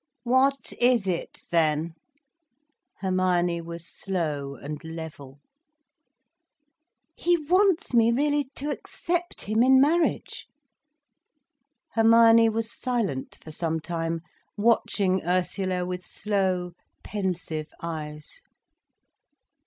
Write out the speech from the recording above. "What is it then?" Hermione was slow and level. "He wants me really to accept him in marriage." Hermione was silent for some time, watching Ursula with slow, pensive eyes.